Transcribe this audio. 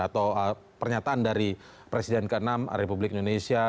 atau pernyataan dari presiden ke enam republik indonesia